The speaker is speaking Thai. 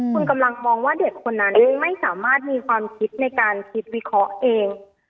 คุณกำลังมองว่าเด็กคนนั้นไม่สามารถมีความคิดในการคิดวิเคราะห์เอง